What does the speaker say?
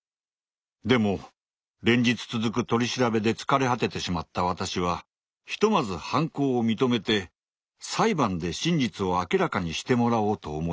でも連日続く取り調べで疲れ果ててしまった私はひとまず犯行を認めて裁判で真実を明らかにしてもらおうと思いました。